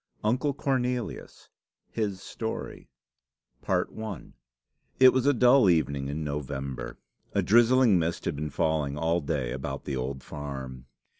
UNCLE CORNELIUS HIS STORY It was a dull evening in November. A drizzling mist had been falling all day about the old farm.